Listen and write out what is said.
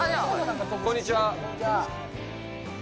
こんにちは。